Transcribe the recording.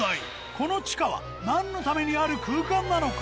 この地下は何のためにある空間なのか？